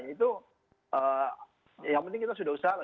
ini tuh yang penting kita sudah usaha